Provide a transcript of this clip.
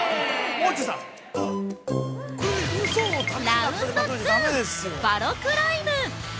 ◆ラウンド２、ヴァロクライム。